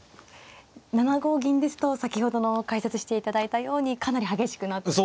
７五銀ですと先ほどの解説していただいたようにかなり激しくなって。